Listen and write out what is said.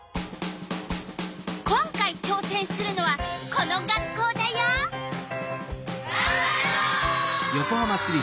今回ちょうせんするのはこの学校だよ。がんばるぞ！